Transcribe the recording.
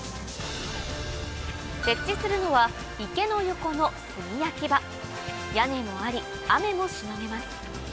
設置するのは池の横の炭焼き場屋根もあり雨もしのげます